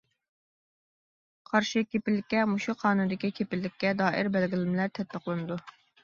قارشى كېپىللىككە مۇشۇ قانۇندىكى كېپىللىككە دائىر بەلگىلىمىلەر تەتبىقلىنىدۇ.